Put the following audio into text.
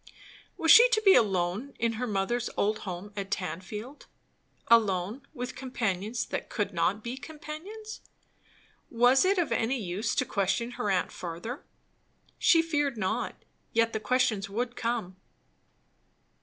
Was she to be alone in her mother's old home at Tanfield? Alone, with companions that could not be companions? Was it any use to question her aunt further? She feared not; yet the questions would come.